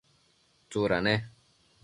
tsuda ne?